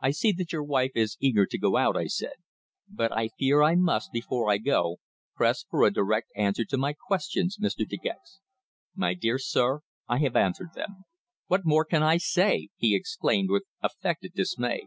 "I see that your wife is eager to go out," I said. "But I fear I must, before I go, press for a direct answer to my questions, Mr. De Gex." "My dear sir, I have answered them. What more can I say?" he exclaimed with affected dismay.